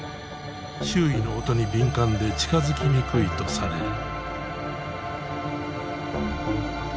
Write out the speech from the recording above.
周囲の音に敏感で近づきにくいとされる。